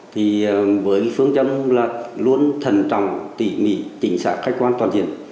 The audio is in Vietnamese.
thì với phương châm là luôn thần trọng tỉ mỉ chính xác khách quan toàn diện